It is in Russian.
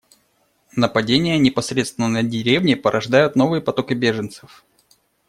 Нападения непосредственно на деревни порождают новые потоки беженцев.